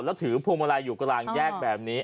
แล้วถือภวงมะไรอยู่กำลังแยกแบบนี้